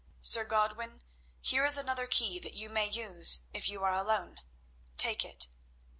Sir Godwin, here is another key that you may use if you are alone. Take it."